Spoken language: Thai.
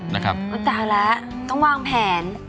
นะครับต้องวางแผน